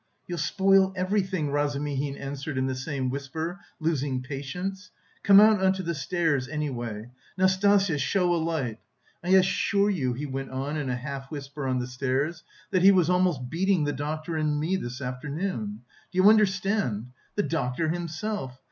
"You'll spoil everything," Razumihin answered in the same whisper, losing patience "come out on to the stairs, anyway. Nastasya, show a light! I assure you," he went on in a half whisper on the stairs "that he was almost beating the doctor and me this afternoon! Do you understand? The doctor himself!